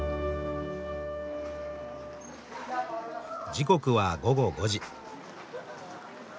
時刻は午後５時。